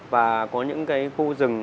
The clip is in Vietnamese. và có những cái khu rừng